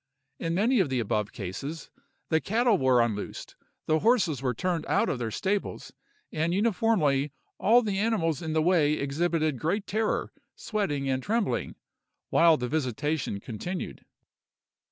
In many of the above cases, the cattle were unloosed, the horses were turned out of their stables, and uniformly all the animals in the way exhibited great terror, sweating and trembling, while the visitation continued.